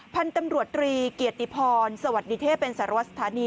พันธุ์ตำรวจตรีเกียรติพรสวัสดีเทพเป็นสารวัตรสถานี